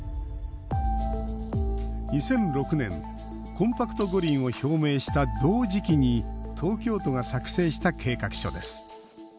２００６年、コンパクト五輪を表明した同時期に東京都が作成した計画書です。